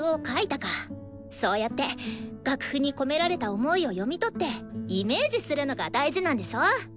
そうやって楽譜に込められた想いを読み取ってイメージするのが大事なんでしょ？